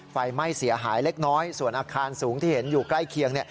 ไฟไหม้เสียหายเล็กน้อยส่วนอาคารสูงที่เห็นอยู่ใกล้เคียง